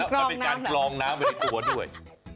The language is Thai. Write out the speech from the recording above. และกองน้ำไปด้วย